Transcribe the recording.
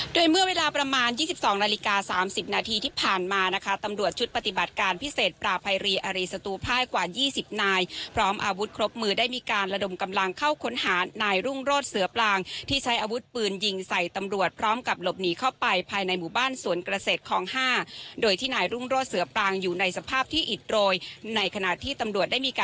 โดยเมื่อเวลาประมาณ๒๒นาฬิกา๓๐นาทีที่ผ่านมานะคะตำรวจชุดปฏิบัติการพิเศษปราภัยรีอารีสตูภายกว่า๒๐นายพร้อมอาวุธครบมือได้มีการระดมกำลังเข้าค้นหานายรุ่งโรศเสือปลางที่ใช้อาวุธปืนยิงใส่ตำรวจพร้อมกับหลบหนีเข้าไปภายในหมู่บ้านสวนเกษตรคลอง๕โดยที่นายรุ่งโรศเสือปลางอยู่ในสภาพที่อิดโรยในขณะที่ตำรวจได้มีก